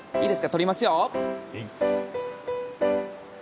撮りますよ！